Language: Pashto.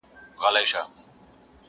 توري شپې لا ګوري په سهار اعتبار مه کوه!!